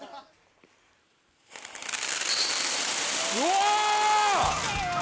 うわ！